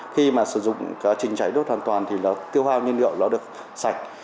khi mà sử dụng quá trình cháy đốt hoàn toàn thì tiêu hoa nhiên liệu nó được sạch